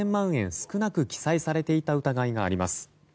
少なく記載されていた疑いがあります。